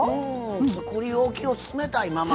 つくりおきを冷たいまま。